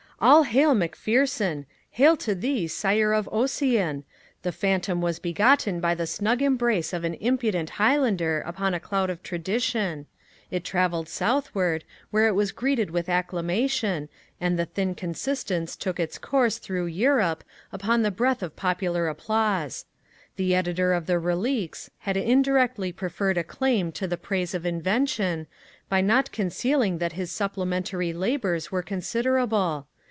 All hail, Macpherson! hail to thee, Sire of Ossian! The Phantom was begotten by the snug embrace of an impudent Highlander upon a cloud of tradition it travelled southward, where it was greeted with acclamation, and the thin Consistence took its course through Europe, upon the breath of popular applause. The Editor of the Reliques had indirectly preferred a claim to the praise of invention, by not concealing that his supplementary labours were considerable!